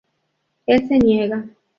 Él se niega.